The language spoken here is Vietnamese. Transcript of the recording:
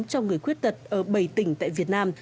cho người khuyết tật ở bảy tỉnh tại việt nam